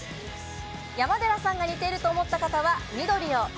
山寺さんが似ていると思った方は緑を。